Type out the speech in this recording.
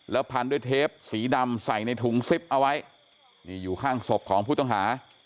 พันด้วยเทปสีดำใส่ในถุงซิปเอาไว้นี่อยู่ข้างศพของผู้ต้องหา